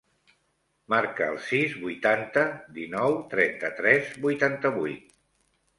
Marca el sis, vuitanta, dinou, trenta-tres, vuitanta-vuit.